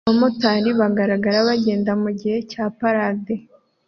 Abamotari bagaragara bagenda mugihe cya parade